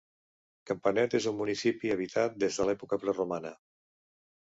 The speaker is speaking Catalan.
Campanet és un municipi habitat des d'època preromana.